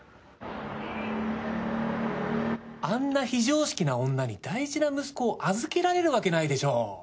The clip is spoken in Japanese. あんな非常識な女に大事な息子を預けられるわけないでしょう。